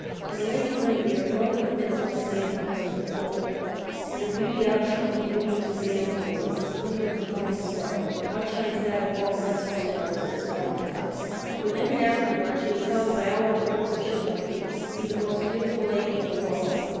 And the Lady Guinevere rode in the midst of her damsels and her Court, and her beauty outshone the beauty of her damsels as the splendor of the morn ing star outshines that of all the lesser stars that surround it. For then THE LADY GUINEVERE FINDETH KING ARTHUR 6x and afterward she was held by all the Courts of Chivalry to be the most beautiful lady in the world.